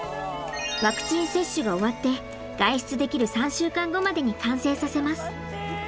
ワクチン接種が終わって外出できる３週間後までに完成させます。